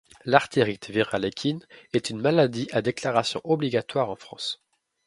L'artérite virale équine est une maladie à déclaration obligatoire en France.